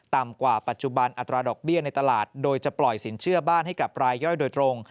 ต่ำกว่าปัจจุบันอัตราดอกเบี้ยในตลาดโดยจะปล่อยสินเชื่อบ้านให้กับรายย่อยโดยตรง